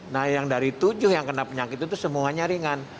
nah yang dari tujuh yang kena penyakit itu semuanya ringan